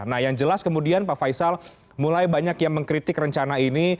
nah yang jelas kemudian pak faisal mulai banyak yang mengkritik rencana ini